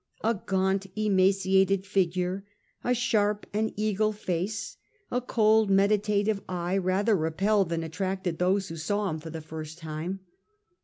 A gaunt emaciated figure, a sharp and eagle face, a cold meditative eye rather repelled than attracted those who saw him for the first time.